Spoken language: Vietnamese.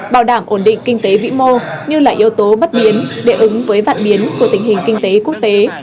bảo đảm ổn định kinh tế vĩ mô như là yếu tố bất biến để ứng với vạn biến của tình hình kinh tế quốc tế